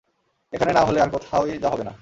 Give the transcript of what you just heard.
এখানে না হলে আর কোথাওই হবে না।